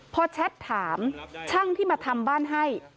พอแชทถามช่างที่มาทำบ้านให้